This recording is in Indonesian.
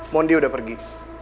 mondi udah pergi